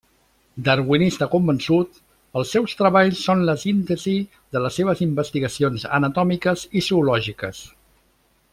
Darwinista convençut, els seus treballs són la síntesi de les seves investigacions anatòmiques i zoològiques.